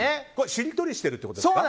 しりとりしてるってことですか。